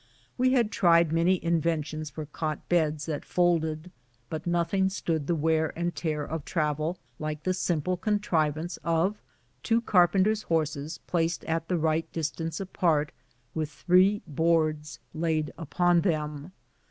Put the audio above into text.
We had tried many inventions for cot beds that fold ed, but nothing stood the wear and tear of travel like the simple contrivance of two carpenter's horses placed at the right distance apart, with three boards laid upon them.